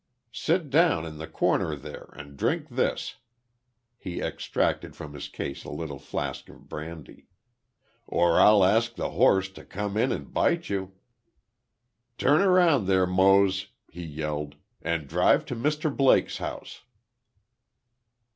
Sit down in the corner there and drink this," he extracted from his case a little flask of brandy, "or I'll ask the horse to come in and bite you!" "Turn around there, Mose!" he yelled, "and drive to Mr. Blake's house."